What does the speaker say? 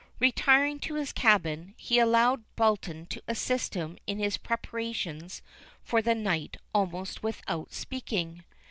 Retiring to his cabin, he allowed Belton to assist him in his preparations for the night almost without speaking.